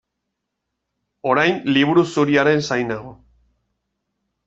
Orain Liburu Zuriaren zain nago.